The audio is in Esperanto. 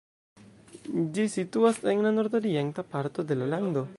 Ĝi situas en la nordorienta parto de la lando.